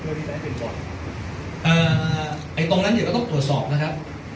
ที่จะให้เป็นบทคือตรงนั้นเนี้ยเขาต้องตรวจสอบนะครับ